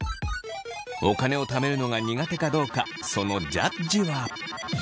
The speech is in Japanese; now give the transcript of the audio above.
お金をためるのが苦手かどうかそのジャッジは。